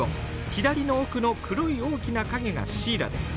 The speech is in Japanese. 左の奥の黒い大きな影がシイラです。